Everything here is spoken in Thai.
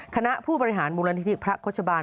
คณะผู้ปริหารวงศัพท์พระโฆษบาล